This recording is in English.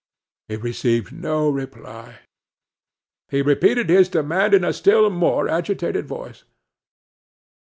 He received no reply. He repeated his demand in a still more agitated voice.